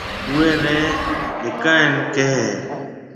اوئيَ نيَ ھکايڻ ڪھيََََ ھيََََ